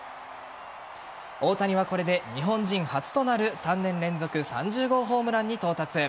大谷は、これで日本人初となる３年連続３０号ホームランに到達。